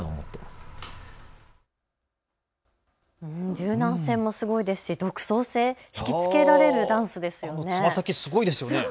柔軟性もすごいですし独創性、引きつけられるダンスですよね。